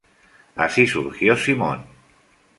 Así surgió Simon.